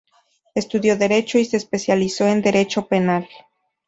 Estudió Derecho y se especializó en Derecho Penal.